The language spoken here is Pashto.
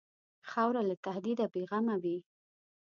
خاوره له تهدیده بېغمه وي.